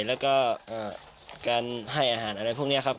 แล้วก็การให้อาหารอะไรพวกนี้ครับ